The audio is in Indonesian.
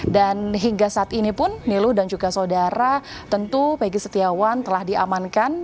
dan hingga saat ini pun nilu dan juga saudara tentu pegi setiawan telah diamankan